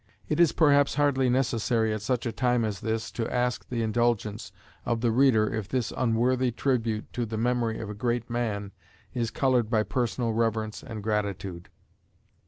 It is perhaps hardly necessary at such a time as this to ask the indulgence of the reader if this unworthy tribute to the memory of a great man is colored by personal reverence and gratitude.